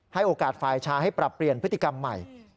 โอกาสฝ่ายชายให้ปรับเปลี่ยนพฤติกรรมใหม่